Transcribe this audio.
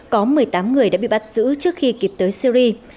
có một mươi tám người đã bị bắt giữ trước khi kịp tới syri